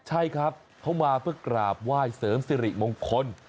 ใช่ครับเขามาเพื่อกราบไหว้เสริมสิริมงคล